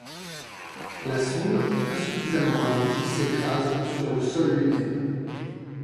La sonde, insuffisamment ralentie, s'écrase sur le sol lunaire.